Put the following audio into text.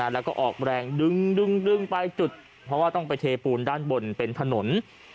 แล้วก็ออกแรงดึงไปจุดเพราะว่าต้องไปเทปูนด้านบนเป็นถนน